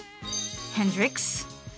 ヘンドリックス。